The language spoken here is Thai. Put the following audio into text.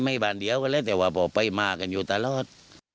บ้านเดียวกันแล้วแต่ว่าบอกไปมากันอยู่ตลอด